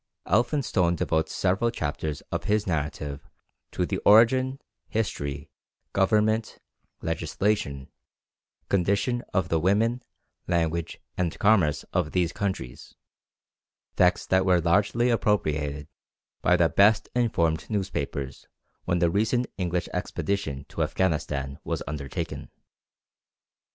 Elphinstone devotes several chapters of his narrative to the origin, history, government, legislation, condition of the women, language, and commerce of these countries; facts that were largely appropriated by the best informed newspapers when the recent English expedition to Afghanistan was undertaken.